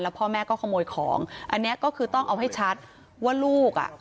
พ่อแม่ก็ขโมยของอันนี้ก็คือต้องเอาให้ชัดว่าลูกอ่ะ